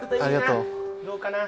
ありがとう。